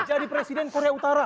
jadi presiden korea utara